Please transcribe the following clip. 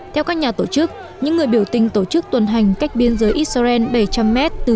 theo các nhà tổ chức những người biểu tình tổ chức tuần hành cách biên giới israel bảy trăm linh m từ